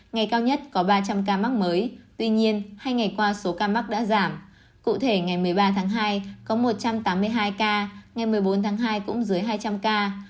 ngày cao nhất có ba trăm linh ca mắc mới tuy nhiên hai ngày qua số ca mắc đã giảm cụ thể ngày một mươi ba tháng hai có một trăm tám mươi hai ca ngày một mươi bốn tháng hai cũng dưới hai trăm linh ca